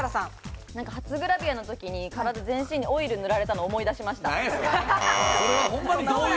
初グラビアの時に、体全身にオイル塗られたの思い出しました。